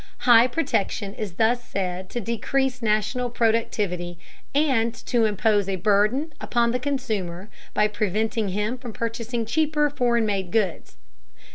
High protection is thus said to decrease national productivity, and to impose a burden upon the consumer by preventing him from purchasing cheaper foreign made goods.